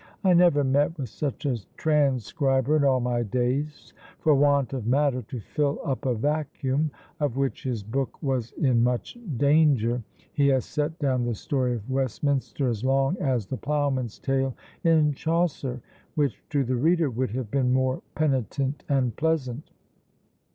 I never met with such a transcriber in all my days; for want of matter to fill up a vacuum, of which his book was in much danger, he hath set down the story of Westminster, as long as the Ploughman's Tale in Chaucer, which to the reader would have been more pertinent and pleasant.